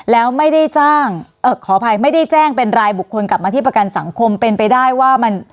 แล้วไม่ได้จ้างเอ่อขออภัยไม่ได้แจ้งเป็นรายบุคคลกลับมาที่ประกันสังคมเป็นไปได้ว่ามัน